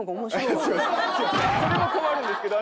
それも困るんですけど。